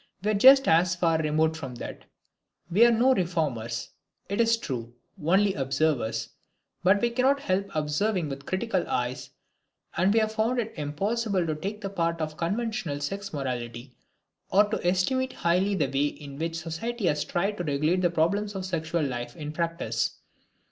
We are just as far removed from that. We are no reformers, it is true, only observers, but we cannot help observing with critical eyes, and we have found it impossible to take the part of conventional sex morality, or to estimate highly the way in which society has tried to regulate the problems of sexual life in practice.